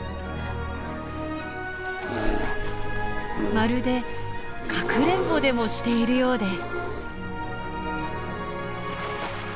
まるでかくれんぼでもしているようです。